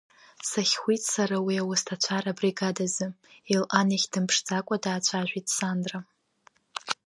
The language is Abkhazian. Сахьхәит сара уи ауасҭацәа рбригада азы, Елҟан иахь дмыԥшӡакәа даацәажәеит Сандра.